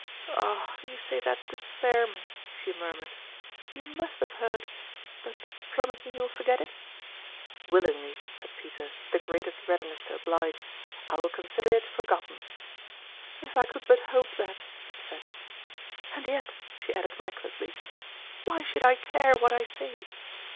" Ah ! you say that to spare me," she mur mured ;" you must have heard ; but, promise me you will forget it ?" "Willingly," said Peter, with the greatest readiness to oblige ;" I will consider it forgot ten." (Elje Second Cheque. 53 " If I could but hope that !" she said. " And, yet," she added recklessly, " why should I care what I say